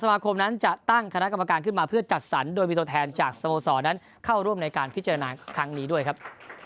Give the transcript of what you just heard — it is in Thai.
มาคมนั้นจะตั้งคณะกรรมการขึ้นมาเพื่อจัดสรรโดยมีตัวแทนจากสโมสรนั้นเข้าร่วมในการพิจารณาครั้งนี้ด้วยครับ